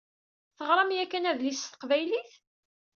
Teɣṛam yakan adlis s teqbaylit?